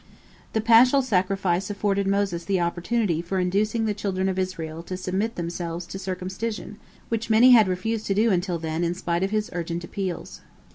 The paschal sacrifice afforded Moses the opportunity for inducing the children of Israel to submit themselves to circumcision, which many had refused to do until then in spite of his urgent appeals.